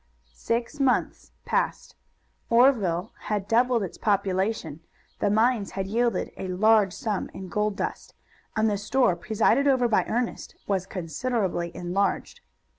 Six months passed. Oreville had doubled its population, the mines had yielded a large sum in gold dust, and the store presided over by Ernest was considerably enlarged.